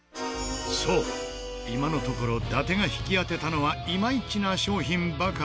そう今のところ伊達が引き当てたのはイマイチな商品ばかり。